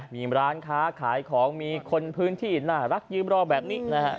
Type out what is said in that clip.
มีร้านค้าขายของมีคนพื้นที่น่ารักยืมรอแบบนี้นะฮะ